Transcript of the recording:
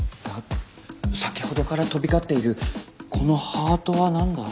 先ほどから飛び交っているこの「はあと」は何だ？